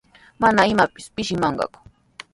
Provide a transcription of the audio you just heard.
Mana imapis pishimanqaku.